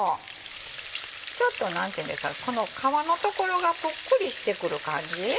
ちょっと何て言うんですかこの皮の所がプックリしてくる感じ。